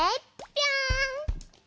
ぴょん！